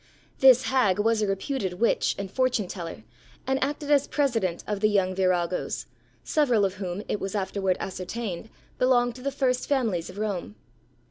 This hag was a reputed witch and fortune teller, and acted as president of the young viragos, several of whom, it was afterwards ascertained, belonged to the first families of Rome.